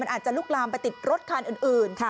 อาจจะลุกลามไปติดรถคันอื่น